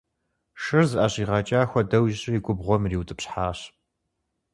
Шыр зыӀэщӀигъэкӀа хуэдэу ищӀри губгъуэм ириутӀыпщхьащ.